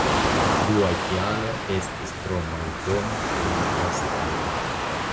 Dua kialo estis tro malbona lingva stilo.